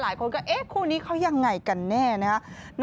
หลายคนก็เอ๊ะคู่นี้เขายังไงกันแน่นะฮะ